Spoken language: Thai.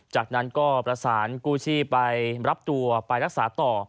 จากนั้นก็ประสานกู้ชีพไปรับตัวไปรักษาต่อ